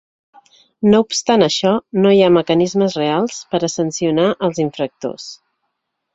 No obstant això, no hi ha mecanismes reals per a sancionar els infractors.